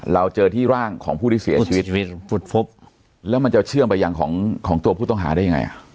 เราเจอที่ร่างของผู้ที่เสียชีวิตแล้วมันจะเชื่อมไปยังของตัวผู้ต้องหาได้ยังไง